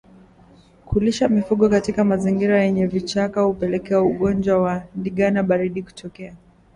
Kulishia mifugo katika mazingira yenye vichaka hupelekea ugonjwa wa ndigana baridi kutokea